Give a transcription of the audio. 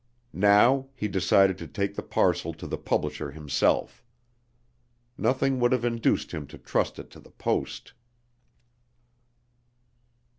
Now he decided to take the parcel to the publisher himself. Nothing would have induced him to trust it to the post.